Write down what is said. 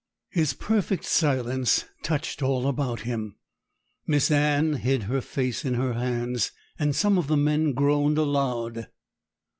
His perfect silence touched all about him. Miss Anne hid her face in her hands, and some of the men groaned aloud.